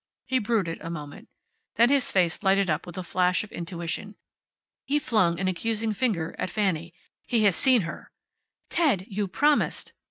He brooded a moment. Then his face lighted up with a flash of intuition. He flung an accusing finger at Fanny. "He has seen her." "Ted! You promised."